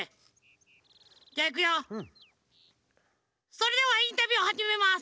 それではインタビューをはじめます。